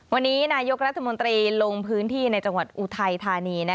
วันนี้นายกรัฐมนตรีลงพื้นที่ในจังหวัดอุทัยธานี